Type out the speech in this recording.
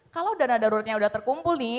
kalo dana daruratnya udah terkumpul nih